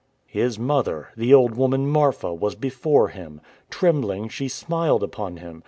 His mother, the old woman Marfa, was before him! Trembling, she smiled upon him.